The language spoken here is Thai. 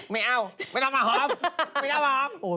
ไม่เอาไม่ต้องมะหอมไม่ต้องมะหอม